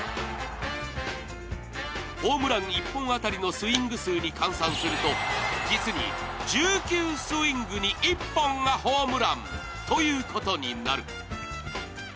ホームラン１本当たりのスイング数に換算すると、実に１９スイングに１本がホームランということになる。